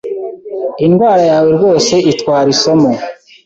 Indwara yawe rwose itwara isomo